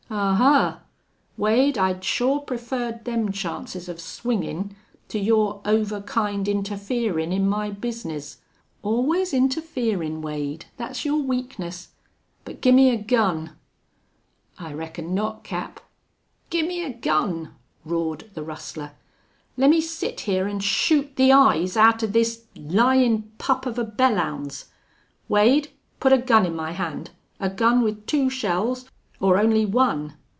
"Ahuh! Wade, I'd sure preferred them chances of swingin' to your over kind interferin' in my bizness. Allus interferin', Wade, thet's your weakness!... But gimmie a gun!" "I reckon not, Cap." "Gimme a gun!" roared the rustler. "Lemme sit hyar an' shoot the eyes outen this lyin' pup of a Belllounds!... Wade, put a gun in my hand a gun with two shells or only one.